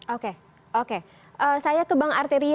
oke oke saya ke bank arteria deh